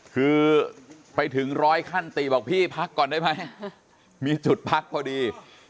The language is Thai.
คือไปถึงร้อยขั้นติบอกพี่พักก่อนได้ไหมมีจุดพักพอดี